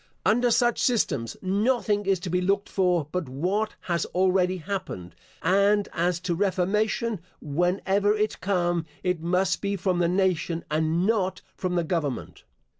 Under such systems, nothing is to be looked for but what has already happened; and as to reformation, whenever it come, it must be from the nation, and not from the government.